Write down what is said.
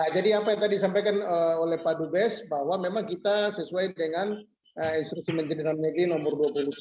jadi apa yang tadi disampaikan oleh pak dubes bahwa memang kita sesuai dengan institusi menjadikan negeri nomor dua puluh dua